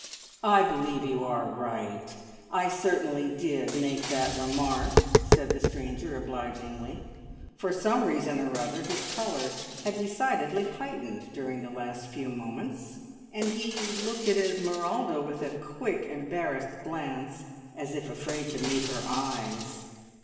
"I believe you are right. I certainly did make that remark," said the stranger obligingly. For some reason or other his colour had decidedly heightened during the last few moments, and he looked at Esmeralda with a quick, embarrassed glance, as if afraid to meet her eyes.